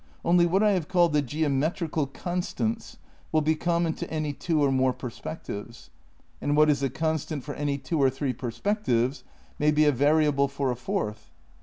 Only what I have called the geometrical constants will be common to any two or more perspectives ; and what is a constant for any two or three perspectives may be a variable for a fourth.